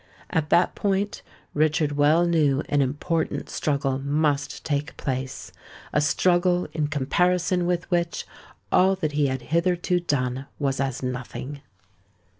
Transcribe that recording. At that point Richard well knew an important struggle must take place—a struggle in comparison with which all that he had hitherto done was as nothing.